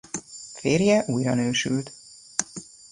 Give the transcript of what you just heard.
Férje újranősült.